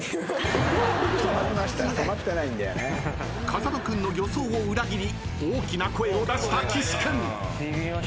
［風間君の予想を裏切り大きな声を出した岸君］